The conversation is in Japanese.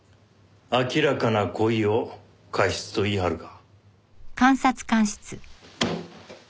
明らかな故意を過失と言い張るか。